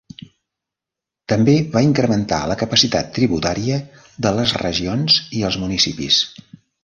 També, va incrementar la capacitat tributària de les regions i els municipis.